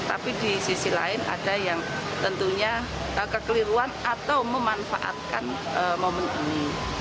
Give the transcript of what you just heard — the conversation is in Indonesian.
tapi di sisi lain ada yang tentunya kekeliruan atau memanfaatkan momen ini